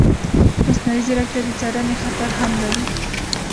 مصنوعي ځیرکتیا د څارنې خطر هم لري.